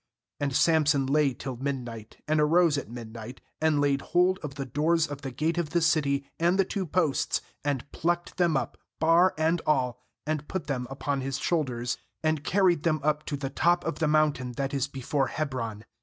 3And Samson^ lay till midnight, and arose at midnight, and laid hold of the doors of the gate of the city, and the two posts, and plucked them up, bar and all, and put them upon his shoulders, and carried them up to the top of the mountain that is before Hebron.